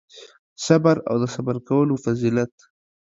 صبر او د صبر کولو فضیلت